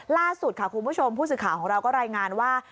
ล่าสุดค่ะคุณผู้ชมผู้สื่อข่าวของเราก็รายงานว่า